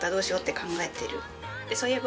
「そういえば」